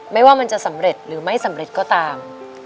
ไม่ว่ามันจะสำเร็จหรือไม่สำเร็จก็ตาม